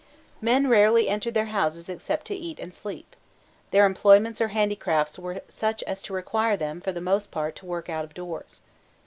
Men rarely entered their houses except to eat and sleep; their employments or handicrafts were such as to require them for the most part to work out of doors.